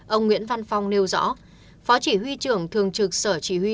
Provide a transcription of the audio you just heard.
ông nguyễn văn phong nêu rõ phó chỉ huy trưởng thường trực sở chỉ huy